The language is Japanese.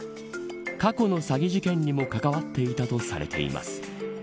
過去の詐欺事件にも関わっていたとされています。